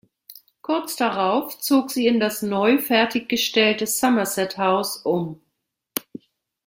Kurz darauf zog sie in das neu fertiggestellte Somerset House um.